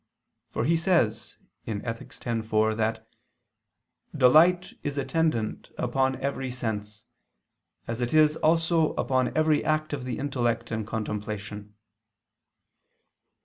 For he says (Ethic. x, 4) that "delight is attendant upon every sense, as it is also upon every act of the intellect and contemplation."